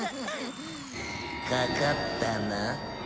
かかったな。